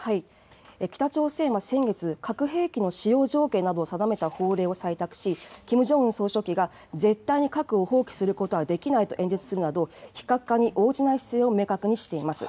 北朝鮮は先月、核兵器の使用条件などを定めた法令を採択し、キム・ジョンウン総書記が絶対に核を放棄することはできないと演説するなど、非核化に応じない姿勢を明確にしています。